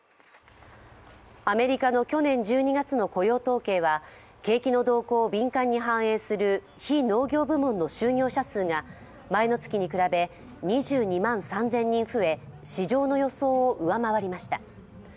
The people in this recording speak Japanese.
アメリカの去年１２月の雇用統計は、景気の動向を敏感に反映する非農業部門の就業者数が前の月に比べ２２万３０００人増え、市場の予想を上回りました。